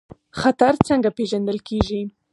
خطر څنګه پیژندل کیږي؟